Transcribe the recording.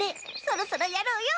そろそろやろうよ！